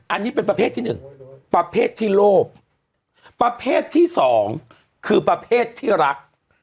อันนี้เป็นประเภทที่หนึ่งประเภทที่โลภประเภทที่สองคือประเภทที่รัก